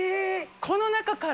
この中から？